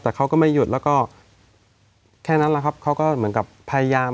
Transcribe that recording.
แต่เขาก็ไม่หยุดแล้วก็แค่นั้นแหละครับเขาก็เหมือนกับพยายาม